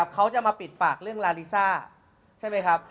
เขาจะมาปิดปากเรื่องลาลิซ่าใช่ไหมครับ